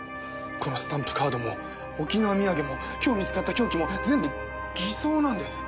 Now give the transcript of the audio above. このスタンプカードも沖縄土産も今日見つかった凶器も全部偽装なんです！